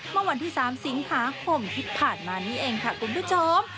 เมื่อวันที่๓สิงหาคมที่ผ่านมานี่เองค่ะคุณผู้ชม